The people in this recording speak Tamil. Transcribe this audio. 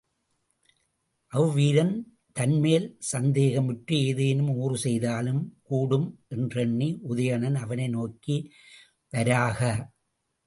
அவ் வீரன் தன்மேல் சந்தேகமுற்று ஏதேனும் ஊறு செய்தலும் கூடும் என்றெண்ணி உதயணன் அவனை நோக்கி, வராக!